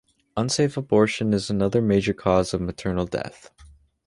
Unsafe abortion is another major cause of maternal death.